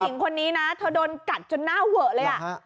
หญิงคนนี้นะเธอโดนกัดจนหน้าเวอะเลยอ่ะ